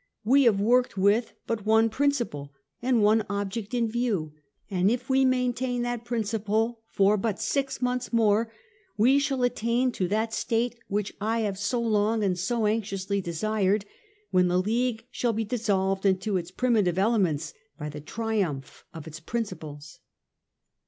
' We have worked with but one principle and one object in view ; and if we maintain that principle for but six months more, we shall attain to that state which I have so long and so anxiously desired, when the League shall be dissolved into its primitive elements by the triumph of its principles.